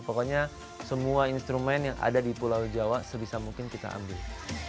pokoknya semua instrumen yang ada di pulau jawa sebisa mungkin kita ambil